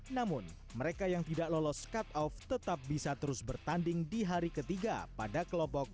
namun mereka yang tidak lolos cut off tetap bisa terus bertanding di hari ketiga pada kelompok